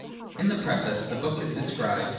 In the Preface the book is described (p.